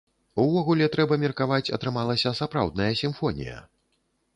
Увогуле, трэба меркаваць, атрымалася сапраўдная сімфонія.